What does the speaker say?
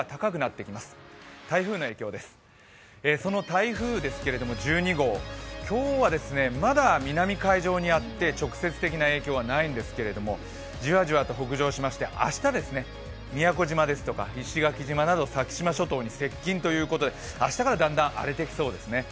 台風ですけれども、１２号、今日はまだ南海上にあって直接的な影響はないんですけれども、じわじわと北上しまして明日、宮古島ですとか石垣島など先島諸島に接近ということで、明日からだんだん荒れてきそうです。